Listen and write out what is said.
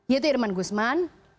yaitu irman guzman